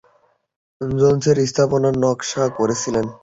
Jones এই স্থাপনার নকশা করেছিলেন।